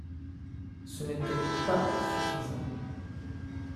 Ce n’était pas suffisant.